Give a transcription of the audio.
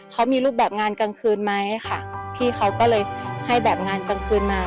เขามีรูปแบบงานกลางคืนไหมค่ะพี่เขาก็เลยให้แบบงานกลางคืนมา